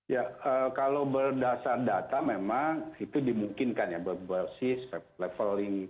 ya kalau berdasar data memang itu dimungkinkan ya berbasis leveling